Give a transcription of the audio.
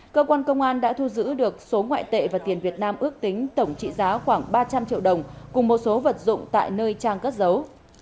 cơ quan công an đã thu giữ được số ngoại tệ và tiền việt nam ước tính tổng trị giá khoảng ba trăm linh triệu đồng cùng một số vật dụng tại nơi trang cất dấu